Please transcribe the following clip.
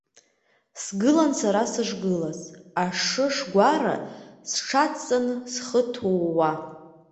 Сгылан сара сышгылац, ашышгәара сҽадҵаны, схы ҭууа.